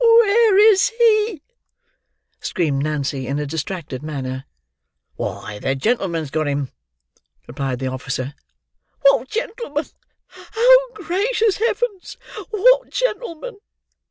"Where is he?" screamed Nancy, in a distracted manner. "Why, the gentleman's got him," replied the officer. "What gentleman! Oh, gracious heavens! What gentleman?"